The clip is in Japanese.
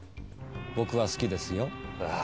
「僕は好きですよ。